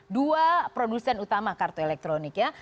dua produsen utama kartu elektronik ya